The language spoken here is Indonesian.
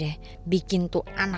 tapi gue pengen menonjolannya